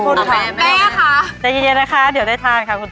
ตัวผ่านค่ะนะคะเดี๋ยวใจได้เยี่ยมนะค่ะเดี๋ยวได้ทานค่ะครับ